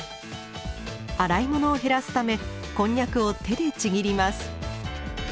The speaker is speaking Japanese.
洗い物を減らすためこんにゃくを手でちぎります。